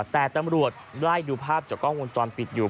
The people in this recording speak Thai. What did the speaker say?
แต่ตำรวจไล่ดูภาพจากกล้องวงจรปิดอยู่